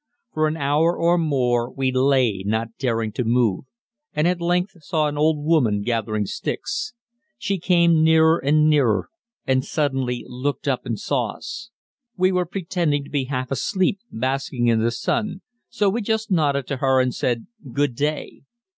For an hour or more we lay not daring to move, and at length saw an old woman gathering sticks. She came nearer and nearer, and suddenly looked up and saw us. We were pretending to be half asleep, basking in the sun, so we just nodded to her and said "Good day."